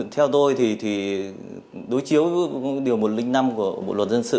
theo tôi thì đối chiếu điều một trăm linh năm của bộ luật dân sự